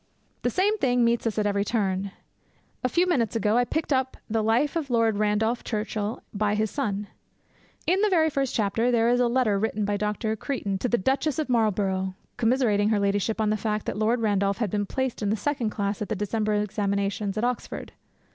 The same thing meets us at every turn. A few minutes ago I picked up the Life of Lord Randolph Churchill, by his son. In the very first chapter there is a letter written by Dr. Creighton to the Duchess of Marlborough commiserating her ladyship on the fact that Lord Randolph had been placed in the second class at the December examinations at Oxford.